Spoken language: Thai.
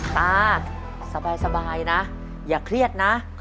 ตาสบายนะอย่าเครียดนะ